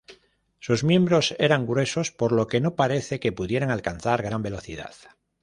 Sus miembros eran gruesos, por lo que no parece que pudiera alcanzar gran velocidad.